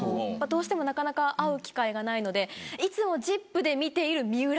どうしてもなかなか会う機会がないのでいつも。